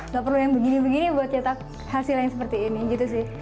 gak perlu yang begini begini buat cetak hasil yang seperti ini gitu sih